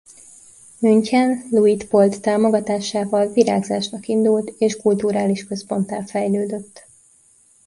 München Luitpold támogatásával virágzásnak indult és kulturális központtá fejlődött.